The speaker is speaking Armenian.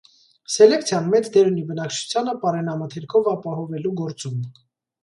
Սելեկցիան մեծ դեր ունի բնակչությանը պարենամթերքով ապահովելու գործում։